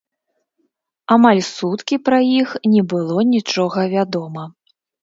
Амаль суткі пра іх не было нічога вядома.